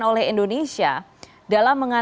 oleh indonesia dalam